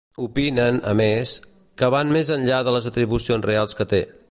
Opinen, a més, que van més enllà de les atribucions reals que té.